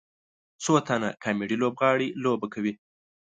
څو تنه کامیډي لوبغاړي لوبه کوي.